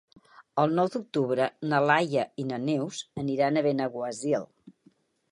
El nou d'octubre na Laia i na Neus aniran a Benaguasil.